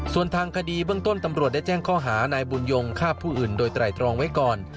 ส่วนทางคดีเบื้องต้นตำรวจได้แจ้งข้อหานายบุญยงฆ่าผู้อื่นโดยไตรตรองไว้ก่อน